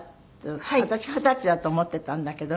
私二十歳だと思っていたんだけど。